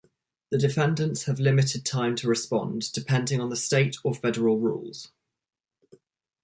The defendants have limited time to respond, depending on the State or Federal rules.